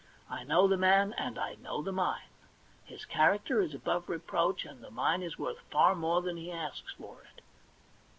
I know the man and I know the mine. His character is above reproach, and the mine is worth far more than he asks for it.'